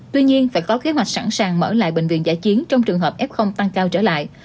tuy nhiên phải có kế hoạch sẵn sàng mở lại bệnh viện giải chiến trong trường hợp f tăng cao trở lại